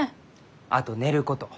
・あと寝ること。